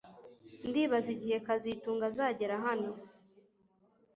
Ndibaza igihe kazitunga azagera hano